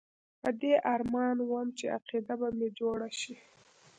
په دې ارمان وم چې عقیده به مې جوړه شي.